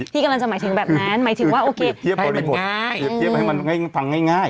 ที่กำลังจะหมายถึงแบบนั้นหมายถึงว่าโอเคให้มันง่ายให้มันฟังง่ายง่าย